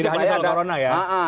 tidak hanya corona ya